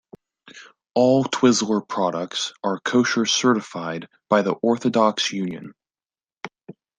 All Twizzler products are kosher certified by the Orthodox Union.